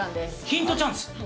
ヒントチャンス？